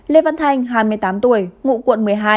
lê văn thanh hai mươi tám tuổi ngụ quận một mươi hai